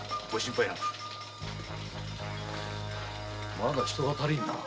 まだ人が足りんな。